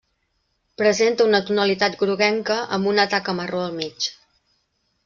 Presenta una tonalitat groguenca amb una taca marró al mig.